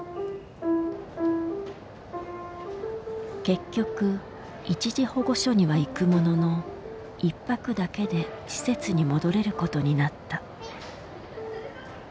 結局一時保護所には行くものの１泊だけで施設に戻れることになった。